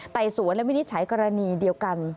สวนและวินิจฉัยกรณีเดียวกัน